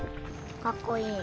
かっこいい。